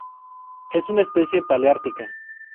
Es una especie paleártica.